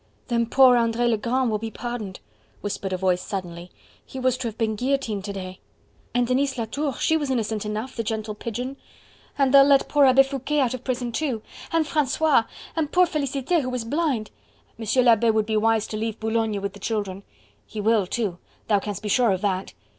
"Then poor Andre Legrand will be pardoned," whispered a voice suddenly; "he was to have been guillotined to day." "And Denise Latour! she was innocent enough, the gentle pigeon." "And they'll let poor Abbe Foucquet out of prison too." "And Francois!" "And poor Felicite, who is blind!" "M. l'Abbe would be wise to leave Boulogne with the children." "He will too: thou canst be sure of that!"